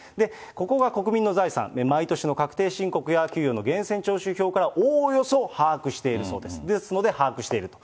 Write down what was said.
ここが国民の財産、毎年の確定申告や給与の源泉徴収票からおおよそ把握しているそうです、ですので、把握していると。